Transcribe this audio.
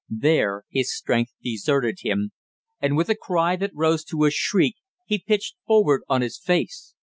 Then his strength deserted him and with a cry that rose to a shriek, he pitched forward on his face.